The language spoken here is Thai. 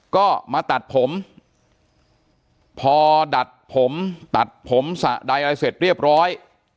ก็มาตัดผมพอดัดผมตัดผมสะใดอะไรเสร็จเรียบร้อย